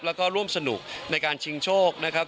แล้วก็ร่วมสนุกในการชิงโชคนะครับ